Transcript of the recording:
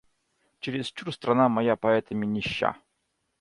Чересчур страна моя поэтами нища.